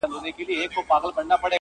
غېږه تشه ستا له سپینو مړوندونو!